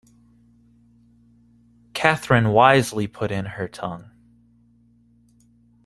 Catherine wisely put in her tongue.